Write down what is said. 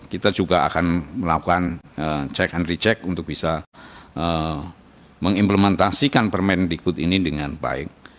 kita juga akan melakukan cek and recheck untuk bisa mengimplementasikan permendikbud ini dengan baik